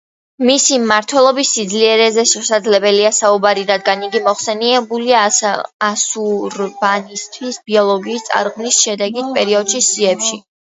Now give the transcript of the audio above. მისი მმართველობის სიძლიერეზე შესაძლებელია საუბარი, რადგან იგი მოხსენიებულია ასურბანიფალის ბიბლიოთეკის წარღვნის შემდეგი პერიოდის სიებში.